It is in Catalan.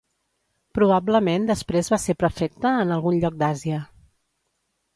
Probablement després va ser prefecte en algun lloc d'Àsia.